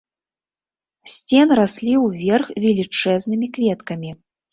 З сцен раслі ўверх велічэзнымі кветкамі!